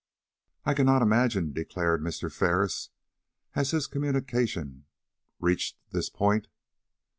"I cannot imagine," declared Mr. Ferris, as his communication reached this point.